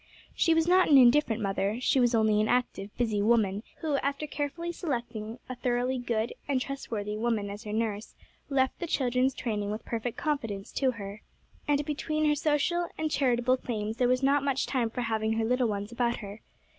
She was not an indifferent mother; she was only an active, busy woman, who, after carefully selecting a thoroughly good and trustworthy woman as her nurse, left the children's training with perfect confidence to her. And between her social and charitable claims there was not much time for having her little ones about her.